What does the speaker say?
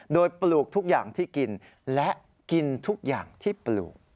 โดยปลูกทุกอย่างที่กินและกินทุกอย่างที่ปลูก